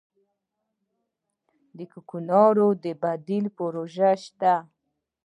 د کوکنارو د بدیل پروژې شته؟